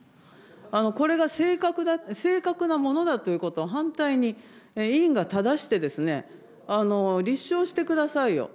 これが正確なものだということを、反対に、委員がただしてですね、立証してくださいよ。